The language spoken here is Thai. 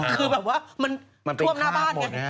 คือแบบว่ามันท่วมหน้าบ้านไง